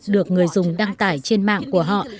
được người dùng đăng tải trên mạng của họ